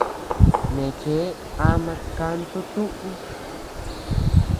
Neʼe cheʼe ama kantu tuʼu.